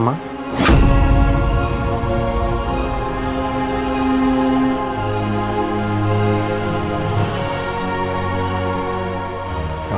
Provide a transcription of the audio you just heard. apa yang kamu lakukan